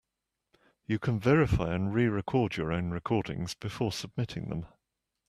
You can verify and re-record your own recordings before submitting them.